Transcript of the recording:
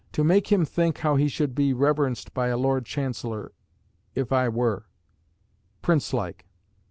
To make him think how he should be reverenced by a Lord Chancellor, if I were; Princelike.